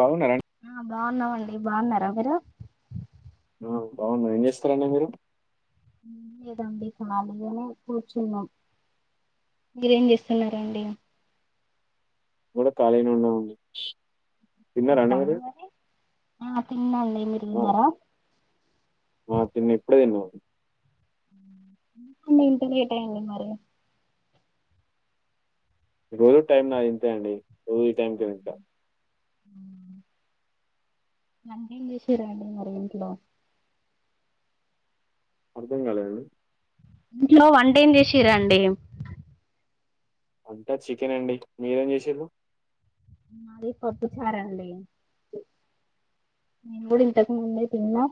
బాగున్నారా అండి? బావున్నమండి, బావున్నరా మీరు? ఆ బావున్నం ఏం చేస్తరండి మీరు? ఉమ్ ఏదొ అండి ఖాళీగనె కూర్చున్నాం మీరేం చేస్తున్నారండి? గూడ ఖాళీగనె ఉన్నానండి ఆ తిన్నా అండి, మీరు ఆ! తిన్నారా? ఆ తిన్న ఇప్పుడే తిన్నమండి ఎందుకండి ఇంత లేట్ అయింది మరి? రోజ్ టైం నాది ఇంతే అండి, రోజు ఈ టైం కె తింట. వంటేమ్ చేశిర్రండి మరి ఇంట్లో? అర్ధం కాలేదండి ఇంట్లో వంటెం చేశిర్రండి? వంట చికెన్ అండి, మీరేం చేసిర్రు? మాది పప్పుచారండి నేన్ గూడ ఇంతకు ముందే తిన్నా.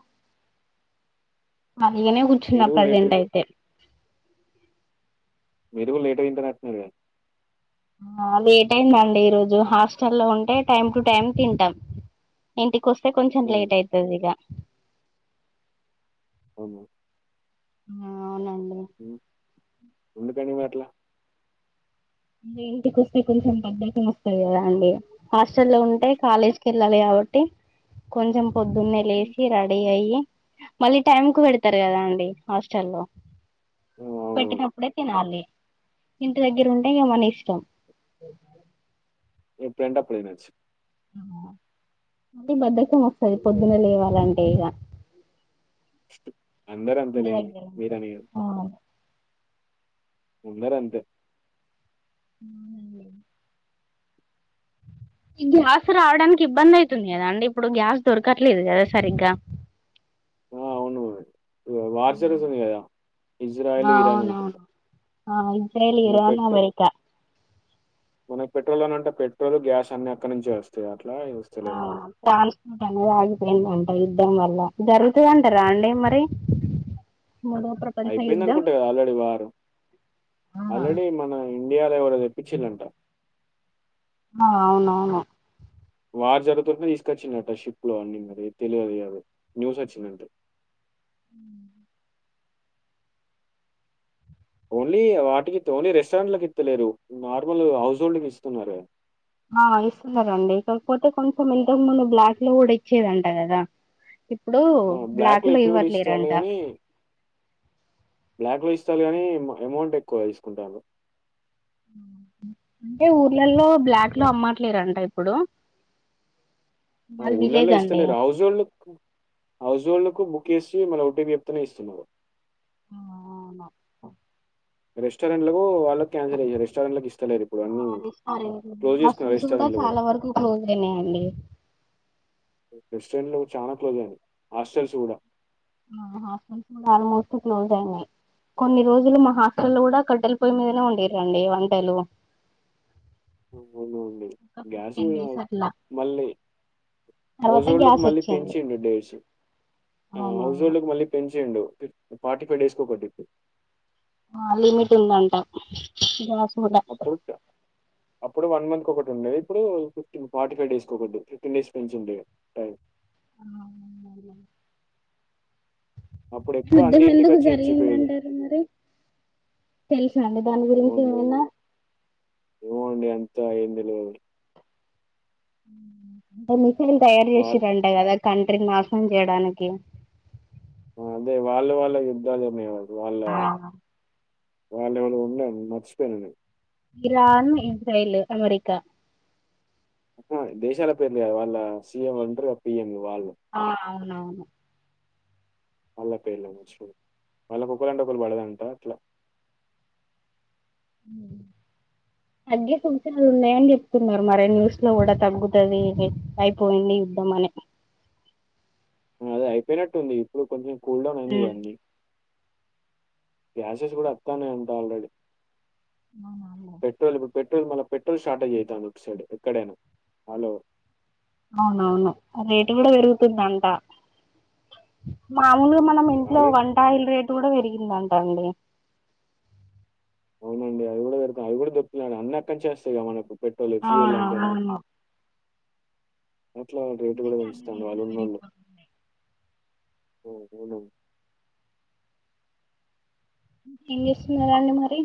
ఖాళీగనే కూర్చున్న మీరు కూడా లేటు ప్రసెంట్ అయితె మీర్ గూడ లేట్ గ తింటనట్టున్నరుగా ఆ లేటయిందండి ఈరోజు, హాస్టల్లో ఉంటే టైమ్ టు టైమ్ తింటం. ఇంటికొస్తె కొంచెం హ్మ్. లేటయితదిగ అవునా ఆ అవునండి హ్మ్. ఎందుకండి మరట్ల? ఇగ ఇంటికొస్తే కొంచెం బద్దకం వస్తది కదా అండి, హాస్టల్ లో ఉంటే కాలేజ్ కెళ్ళాలి గాబట్టి కొంచెం పొద్దున్నే హ్మ్. లేసి రెడీ అయ్యి మళ్ళీ టైం కు పెడతరు కదా అండి హాస్టల్లొ ఆ! అవునవును. పెట్టినప్పుడే తినాలి ఇంటి దగ్గేరుంట్ ఇంగ మనిష్టం ఎప్పుడంటే అప్పుడు తినొచ్చు అంటె బద్దకమొస్తది పొద్దున లేవాలంటే ఇగ అందరంతె ఇంటి లేండి దగ్గర ఉంటే మీరనిగాదు అందరంతె అవునండి ఈ గ్యాస్ రావడానికి ఇబ్బంది అయ్తుంది గదా అండి, ఇప్పుడు గ్యాస్ దొరకట్లేదు కద సరిగ్గా [inaudible] ఆ అవును వార్ జరుగుతుంది గదా ఇజ్రాయిల్ ఇరాననుకుంట అవునవును ఆ ఇజ్రాయిల్, ఇరాన్, అమెరికా మనక్ పెట్రోలననంటె పెట్రోల్ గ్యాస్ అన్ని అక్కడ్ నుంచె వస్తయా ఆ ట్రాన్స్పోర్ట్ అనేది ఆగిపోయిందట యుద్ ద్ధం వల్ల, జరుగుతదంటరా అండి మరీ? అయ్పెందనకుంట కదా ఆల్రెడీ వారు ఆల్రెడీ ఆ మన ఇండియాలో ఎవరో తెప్పిచ్చిర్రంట ఆ అవునవును వార్ జరుగుతుంట్నే తీసుకొచ్చిల్లట షిప్ లో అన్ని మరీ తెలియది ఇగ అది న్యూస్ వచ్చిందంతే. ఉమ్ ఓన్లీ వాటికి త్ ఓన్లీ రెస్టారెంట్లకిత్తలేరు, నార్మల్ హౌస్ హోల్డ్ కిస్తున్నరే ఆ ఇస్తున్నారండి కాకపోతే కొంచెం ఇంతకు ముందు బ్లాక్ లో కూడా ఇచ్చేదంట కదా ఇప్పుడు ఆ! బ్లాక్ బ్లాక్‌లో లో ఇప్పుడు కూడా ఇస్తారు ఇవ్వట్లేరంట గానీ, బ్లాక్‌లో ఇస్తారు కానీ అమౌంట్ ఎక్కువ తీసుకుంటారూ [unintelligible] అంటే ఊర్లలో బ్లాక్ అమ్మట్లేరంట ఇప్పుడు మాది ఉళ్లలో విలేజ్ అండి ఇస్తలే household household book చేసి మన ఓటీపీ చెప్తనే ఇస్తున్నారు [unintelligible] రెస్టారెంట్ వా కన్సల్ రెస్టారెంట్ ఇస్తలేరు ఇప్పుడు ఆ, అన్ని రెస్టారెంట్ క్లోజ్ చేసుకున్నారు రెస్టారెంట్లు కూడా [inaudible] అండీ రెస్టారెంట్ లు కూడా చాలా క్లోజ్ అయింది హాస్టల్స్ కూడా ఆ హ హాస్టల్ కూడ చాలావరకు క్లోజ్ అయినాయి కొన్ని రోజులు మా హాస్టల్ కూడా కాటేలా పొయి మీదనే వండి రండి వంటలు అవున అండీ ఒక గ్యాసు ఫిఫ్టీన్ డేస్ అట్లా మళ్ళీ తర్వాత హౌస్ హోల్డ్ కి గ్యాస్ మళ్ళీ వచ్చింది పెంచింది డేస్ హౌస్ అవునవును హోల్డ్ కి మళ్ళీ పెంచిండు ఫార్టీ ఫైవ్ డేస్ కి ఒకటి ఇప్పుడు ఆ లిమిట్ ఉందంట కూడా అప్పుడు అప్పుడు వన్ మంత్ ఒక ఉండే ఇప్పుడు ఫిఫ్టీన్ ఫార్టీ ఫైవ్ డేస్కి ఒకటి ఫిఫ్టీన్ డేస్ పెంచి ఉండే టైమ్ [unintelligible] అప్పుడు ఎక్కువ అన్ని యుద్ధం ఇంటికి ఎందుకు వచ్చి ఇచ్చిపోయేది జరిగిందంటారు మరి తెలుసా అండి దాని గురించి ఏమైనా ఏమో అండీ అంత ఎంతెలువదండి అంటే మిషిన్ తయారు వాళ్ళ చేసిరంట కదా కంట్రీ నాశనం చేయడానికి అదే వాళ్ళ వాళ్ళ యుద్దలు జరిగినయంట వాళ్ళ వాళ్ళు ఎవళ ఉండే ను మర్చిపోయినా నేను ఇరాన్ ఇజ్రయల్ అమెరికా దేశాల పేర్లు కాదు వాళ్ళ సీఎం అంటారు కదా పిఎం ఆ అవునవును వాళ్ళ పేర్లు చెప్పు వాళ్ళకి ఒకరు అంటే ఒకరు పడదంట అట్లా ఉమ్ తగ్గే సూచనలు ఉన్నాయని చెప్తున్నారు మరి న్యూస్ లో కూడా తగ్గుతుంది అయిపోయింది యుద్ధం అని [unintelligible] అది అయిపోయినట్టుంది ఇప్పుడు కొంచెం కూల్ డౌన్ అయింది కా గ్యాసెస్ కూడా వస్తానే అంట ఆల్రెడీ అవునా పెట్రోల్ ఇప్పుడు పెట్రోల్ మళ్ పెట్రోల్ షార్టేజ్ అవుతాంది ఒక సైడ్ ఎక్కడైనా హల్ ఓవర్ అవునవును రేటు కూడా పెరుగుతుందంటా మామూలుగా మనం ఇంట్లో ఆల్రెడీ వంటయిల్ రేటు కూడా పెరిగిందంట అండి అవునండి అవి కూడా దొరకవు అవి కూడా దొక్కుతునాయి అన్ని అకాడినుంచే వస్తాయి కదా మనకు పెట్రోలే ఆ ఫ్యూల్ లాంటివన్నీ అవును అట్లా రేటు కూడా అందుకే అన్ని పెంచుతాడు రేట్లు వాలున్న వాళ్ళు పెరిగిపోతున్నాయి ఓ అవున ఏం చేస్తున్నరు అండి మరి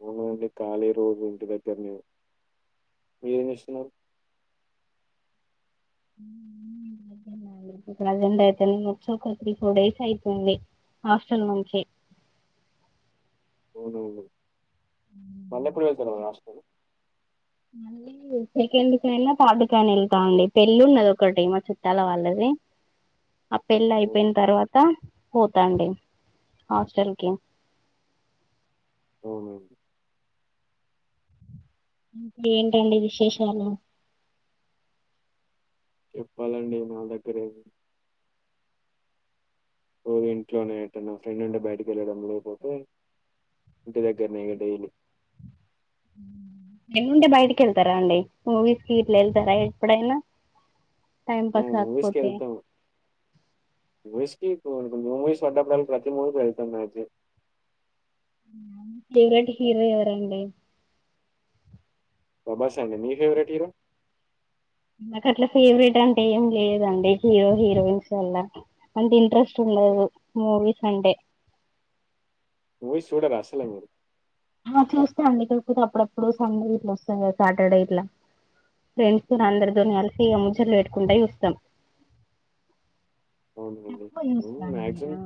[unintelligible] కాలి రోజు ఇంటి దగ్గరని మీరేం చేస్తున్నారు ప్రజెంట్ అయితే నే వచ్చి ఒక త్రీ ఫోర్ డేస్ అయితుంది హాస్టల్ నుంచి [unintelligible] మళ్ళీ సెకండ్ కైనా థార్డ్ కైనా వెళ్తాండి పెళ్ళి ఉన్నది ఒకటిమ చుట్టాల వాళ్ళది ఆ పెళ్ళి అవును. అయిపోయిన తర్వాత పోతండే హాస్టల్కి ఓ ఏంటండి విశేషాలు చెప్పాలండి నా దగ్గరేమి ఓ ఇంట్లోనే అట్ట నా ఫ్రెండ్ ఉండే బయటకి వెళ్ళడం లేకపోతే ఇంటి దగ్గరనే క డై ఉ ఏముంటే బయటికి వెళ్తారా అండి మూవీస్ కి ఇట్లా వెళ్తారా ఎప్పుడైనా టైమ్ పాస్ మూవీస్కి కాకపోతే వెళ్తాం [unintelligible] ఫేవరెట్ హీరో ఎవరండి ప్రభాస్ అండి మీ ఫెవరెట్ హీరో నాకు అట్లా ఫేవరెట్ అంటే ఏం లేదండి హీరో హీరోయిన్స్ వల్ల అంటే ఇంట్రెస్ట్ మూవీస్ అంటే [unintelligible] [unintelligible] అండి కాకపోతే అప్పుడప్పుడు సండే ఇట్లా వస్తాంది కదా సాటర్డే ఇట్లా ఫ్రెండ్స్ ఓకే. అందరితోని కలిసి ఇ ముజ్జలు పెట్టుకుంటా చూస్తాం అవునండి ఎకు ఇయూస్ కాడి మ్యాక్సిమం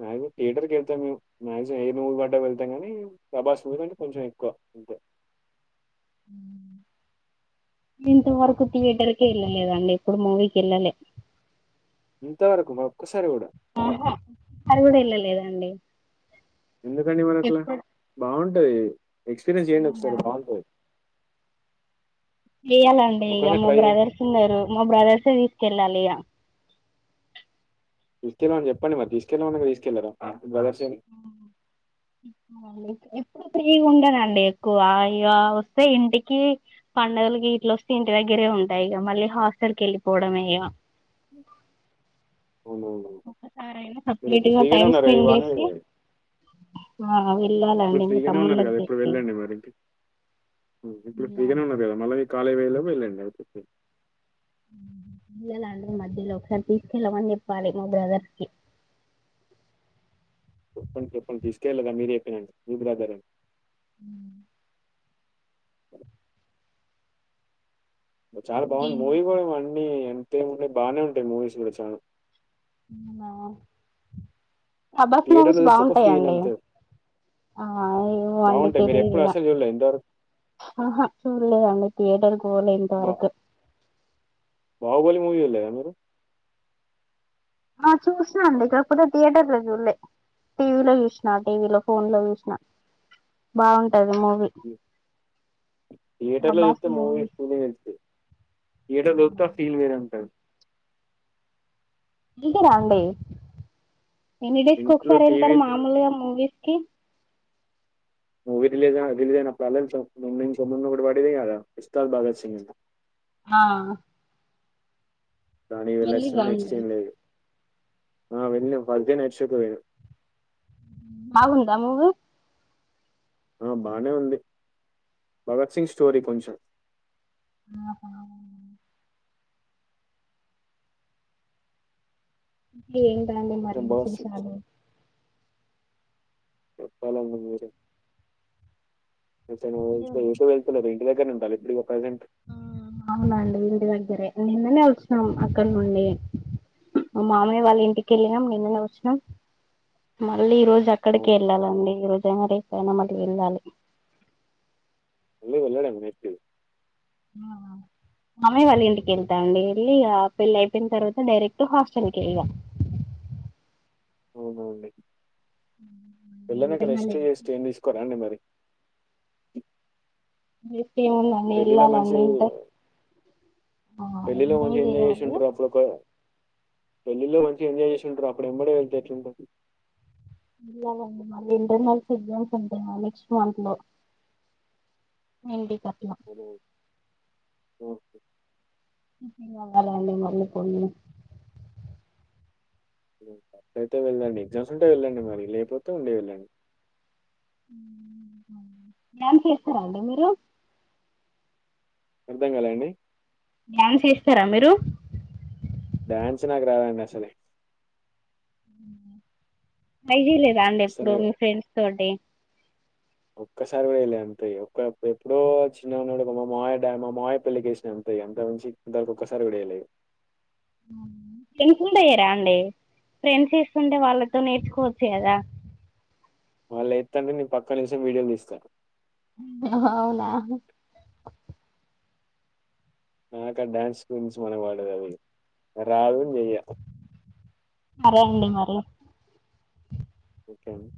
మక్మ్ యేటర్ వెళ్ మేము మాక్సిం ఏ మవ్ పట్ట వెళ్తాం కానీ ప్రభాస్ మూ అంటే కొంచెం ఎక్కువ అంతే హు ఇంతవరకు థియేటర్కే వెళ్ళలేదండి ఇప్పుడు మూవీకి వెళ్ళలే ఇంతవరకు మాకు సారి కూడ ఆహ అరి కూడ వెళ్ళలేదండి ఎందుకండి మన అట్లా ఎప్పుడు బాగుంటది ఎక్స్పీరియన్స్ చేయండి ఒకసారి బాగుంటది చెయ్యాలండి ఇక ఒక్కసారి మా ట్రై చేయండి బ్రదర్స్ ఉన్నారు మా బ్రదర్సే తీసుకెళ్ళాలి ఇక తీసుకెళమని చెప్పండి మరి తీసుకెళాల అ తీసుకెళ్లరా బ్రదర్స్ ఇడు ఫ్రీగా ఉండనండి ఎక్కువ ఇ వస్తే ఇంటికి పడుగలకి [unintelligible] వస్తే ఇంటి దగ్గర ద్రే ఉంటాయి ఇక మళ్ళీ హాస్టల్ వెళ్ళపోవడమే ఉ ఒకసారైనా మీరు ఇప్పుడు కంప్లీట్గా ఫ్రీగానే టైమ్ ఉన్నారు కదా స్పెండ్ ఇవన్నీ చేసి ఆ ఇప్పుడు వెళ్ళాలండి మీ ఫ్రీగానే ఉన్నారు తమ్ములకి కదా ఇప్పుడు తెచ్చి వెళ్ళండి మరి ఇంక ఇప్పుడు ఫ్రీగానే ఉన్నారు కదా మళ్ళీ కాలళీ వేలో పో వెళ్ళండి అవిస్త పిల్లలండి మధ్యలో ఒకసారి తీసుకెళ్ళమని నిప్పాలి మా బ్రదర్కి చెప్పండి చెప్పండి తీసుకెళ్ళలేదా మీరు అయిపోయినడి మీ బ్రదర్ అండి హు చాలా బాగుంటయి ఇంకేం మూవీ కూడ ఏ అన్ని ఎంతేముండేయి బాగానే ఉంటాయి మూవీస్ కూడా చాల ప్రభాస్ మూవీస్ థియేటర్లో చూస్తే ఒక ఫీల్ బాగుంటాయండి అంతే ఆ ఏమో అండి బాగుంటాయి మీరు తెలీదు ఎప్పుడు అసలు చూడలేదు ఇంతవరకు ఆహా చూల్ అంగ త ఏటర్కి పోలే బా ఇంతారుకు [unintelligible] ఆ చూసాండి కాకపోతే థియేటర్ల చూలే టీవీలో చూసిన టీవీ లో ఫోన్ లో చూసిన బాగుంటది మూవీ థియేటర్ లో చూస్తే మూవీ [unintelligible] థియేటర్ చూస్తే ఆ ఫీల్ వేర ఉంటది వెళ్తారా అండి ఎన్ని డేస్ కి ఇంట్లో ఒక్కసారి వెళ్తారు టీవీ మామూలు గా మూవీస్ కి విదిలిగా విలియనా [unintelligible] ముడు పడినాయి కథ ఉస్తాద్ భగత్ సింగ్ ఆ కానీ వెళ్ళి వెళ్ళల్సిన న నెక్స్ట్ రండి ఏం లేదు ఆ వెళ్ళ ఫస్ట్ డే నైట్ షో కి పోయిన బాగుందా మూవీ ఆ బానే ఉంది భగత్ సింగ్ స్టోరీ కొంచెం ఆహా ఇ ఏంటండీ మరి కొంచెం భగత్ సింగ్ విశేషాలు చెప్పాలండి మీరే ఓ చూస వెళ్తులే ఇంటి దగ్గర ఉంటాలే ఇప్పుడికి ప్రెసెంట్ అవునండి ఇంటి దగ్గరే నిన్ననే వచ్చినా అక్కడ నుండి మా మామయ్య వాళ్ళ ఇంటికి వెళ్ళినాం నిన్ననే వచ్చినాం మళ్ళీ ఈ రోజు అక్కడిక అవును వెళ్ళాలండి ఈ రోజైనా రేపయినా మళ్ళీ వెళ్ళాలి వెళ్ళాడు అన్నట్టు ఆ మామయ్య వాళ్ళ ఇంటికి వెళ్తా అండి వెళ్ళి ఆ పెళ్ళి అయిపోయిన తర్వాత డైరెక్ట్ హాస్టల్ కే ఇగ అవునా అండి పెళ్ళి అయినాక రెస్ట్ వెస్ట్ ఏం తీసుకోరా అండి మరి నెక్స్ట్ ఏముందండి పెళ్ళిలో మంచి వెళ్ళాలండి ఇంటర్ పెళ్లిలో ఎంజాయ్ మంచి ఎంజాయ చేసి చేయాలి ఉంటారు అప్పటికె పెళ్లి లో మంచి ఎంజాయ్ చేస్తుంటారు అప్పుడు ఎంబడే వెళ్తేట్లుంటారు ఇలానండి మళ్ళీ ఇంటర్నల్స్ ఎగ్జామ్స్ ఉంటాయి ఆ నెక్స్ట్ మంత్ లో నిండికా ఓ ప్రిపేర్ అవ్వాలి అండి మళ్ళీ పోయి అట్ట అయితే వెళ్ళదండి ఎగ్జామ్స్ ఉంటే వెళ్ళండి మరి లేకపోతే ఉండే వెళ్ళండి డాన్స్ వేస్తారండి మీరు అర్థం కాలండి ధ్యాన్ వేస్తారా మీరు డ్యాన్స్ నాకు రాదు అండి అసలే ట్రై చేయలేదా అండి ఎప్పుడు అసలు మీ ఫ్రెండ్స్ తోటి ఒక్కసారి కూడాయలే అంతాయి ఒ ఎప్పుడో చిన్నగాన్నాడుమ్ మా మామయ్య డాన్ మా మామయ్య పెళ్ళికి వేశం అంతకు మించి ఇప్పుడు దాకా ఒక్కసారి కూడా వేయలేదు అ [unintelligible] ఫ్రెండ్స్ వేస్తుంటే వాళ్ళతో నేర్చుకోవచ్చు కథ వాళ్ళు ఎతుంటే నేను పక్కన నుంచి వీడియోలు తీస్తా అవునా నాక డ్యాన్స్ మేమ్స్ మనకు పడదు అదే గా రాదు చెయ స ఓకే అండి